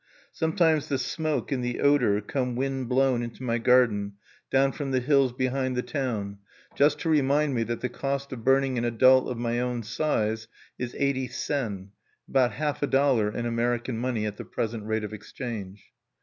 Sometimes the smoke and the odor come wind blown into my garden down from the hills behind the town, just to remind me that the cost of burning an adult of my own size is eighty sen, about half a dollar in American money at the present rate of exchange.